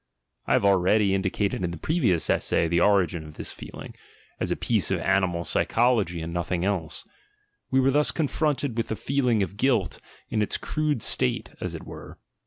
I have already indicated in the previous essay the origin of this feeling — as a piece of animal psychology and nothing else: we were thus confronted with the feeling of "guilt," in its crude state, as it were.